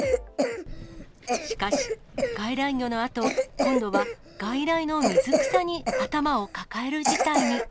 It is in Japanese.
しかし、外来魚のあと、今度は外来の水草に頭を抱える事態に。